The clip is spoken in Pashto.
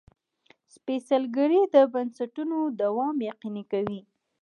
سپېڅلې کړۍ د بنسټونو دوام یقیني کوي.